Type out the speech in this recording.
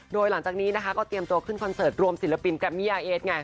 โดยหลังจากนี้นะคะก็เตรียมตัวขึ้นคอนเสิร์ตรวมศิลปินแกรมมี่ยาเอสไง